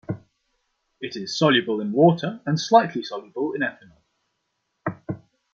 It is soluble in water and slightly soluble in ethanol.